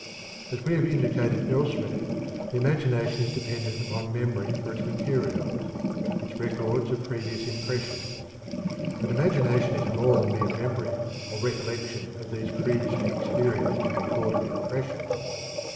As we have indicated elsewhere, the imagination is dependent upon memory for its materials its records of previous impressions. But imagination is more than mere memory or recollection of these previously experienced and recorded impressions.